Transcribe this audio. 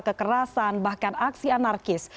kekerasan bahkan aksi anarkis